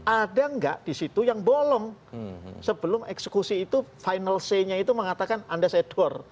ada nggak di situ yang bolong sebelum eksekusi itu final say nya itu mengatakan underse edward